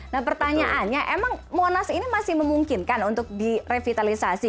nah pertanyaannya emang monas ini masih memungkinkan untuk direvitalisasi